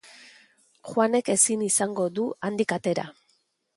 Juanek ezin izango du handik atera.